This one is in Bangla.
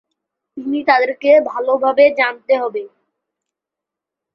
তিনি তাদেরকে ভালোভাবে জানতে হবে।